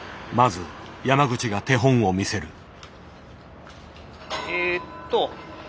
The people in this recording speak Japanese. まず山口が手本を見せる。